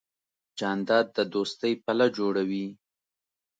جانداد د دوستۍ پله جوړوي.